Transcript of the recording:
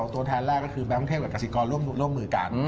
ตัวแทนแรกก็คือแบงค์เทพกับกษิกรร่วมมือกัน